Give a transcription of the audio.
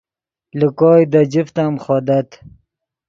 لے کوئے دے جفت ام خودت